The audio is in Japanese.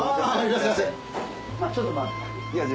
ちょっと待って。